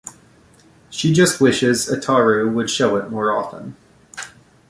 She just wishes Ataru would show it more often.